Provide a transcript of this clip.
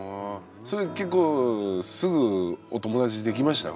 結構すぐお友達できました？